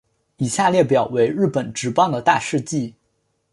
以下列表为日本职棒的大事纪。